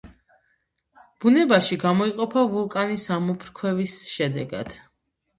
ბუნებაში გამოიყოფა ვულკანის ამოფრქვევის შედეგად.